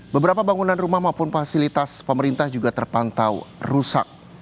beberapa bangunan rumah maupun fasilitas pemerintah juga terpantau rusak